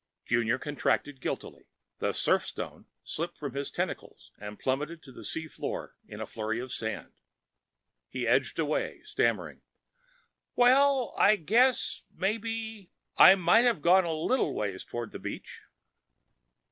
Junior contracted guiltily. The surfstone slipped from his tentacles and plumped to the sea floor in a flurry of sand. He edged away, stammering, "Well, I guess maybe ... I might have gone a little ways toward the beach...."